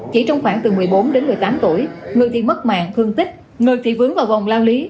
chỉ trong khoảng từ một mươi bốn đến một mươi tám tuổi người thì mất mạng thương tích người thì vướng vào vòng lao lý